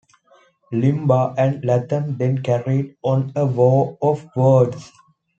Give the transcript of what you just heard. Limbaugh and Latham then carried on a war of words.